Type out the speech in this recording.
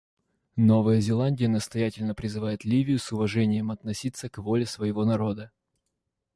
Новая Зеландия настоятельно призывает Ливию с уважением относиться к воле своего народа.